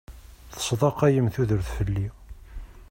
Tesḍaqayem tudert fell-i.